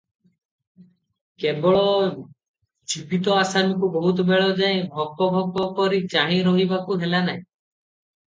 କେବଳ ଜୀବିତ ଆସାମୀକୁ ବହୁତ ବେଳ ଯାଏ ଭକ ଭକ କରି ଚାହିଁ ରହିବାକୁ ହେଲାନାହିଁ ।